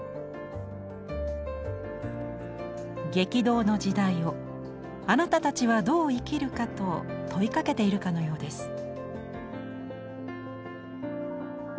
「激動の時代をあなたたちはどう生きるか」と問いかけているかのようです。